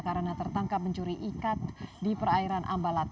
karena tertangkap pencuri ikat di perairan ambalat